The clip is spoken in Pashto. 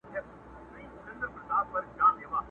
د ګیدړ په باټو ډېر په ځان غره سو،